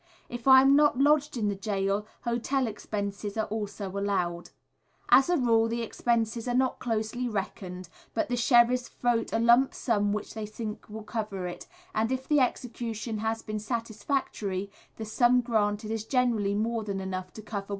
If I am not lodged in the gaol, hotel expenses are also allowed. As a rule the expenses are not closely reckoned, but the sheriffs vote a lump sum which they think will cover it; and if the execution has been satisfactory the sum granted is generally more than enough to cover what I have spent.